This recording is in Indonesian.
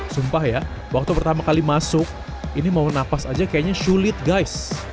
sumpah ya waktu pertama kali masuk ini mau napas aja kayaknya sulit guys